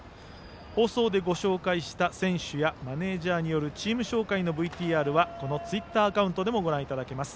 放送でご紹介した選手やマネージャーのチーム紹介のＶＴＲはこのツイッターアカウントでもご覧いただけます。